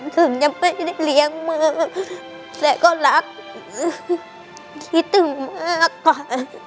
ถึงยังไม่ได้เลี้ยงมือและก็รักคิดถึงมากกว่า